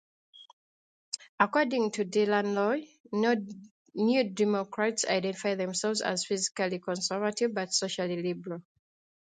According to Dylan Loewe, New Democrats identify themselves as fiscally conservative, but socially liberal.